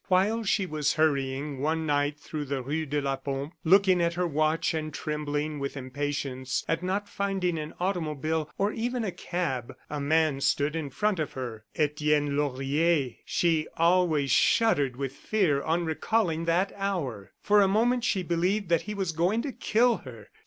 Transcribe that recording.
While she was hurrying one night through the rue de la Pompe, looking at her watch and trembling with impatience at not finding an automobile or even a cab, a man stood in front of her. ... Etienne Laurier! She always shuddered with fear on recalling that hour. For a moment she believed that he was going to kill her.